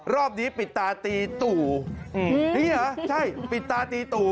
รอบนี้ปิดตาตีตู่นี่เหรอใช่ปิดตาตีตู่